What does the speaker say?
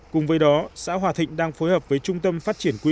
cùng với đó xã hòa thịnh đang phối hợp với trung tâm phát triển quỹ